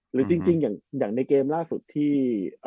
หรือจริงอย่างในเกมล่าสุดที่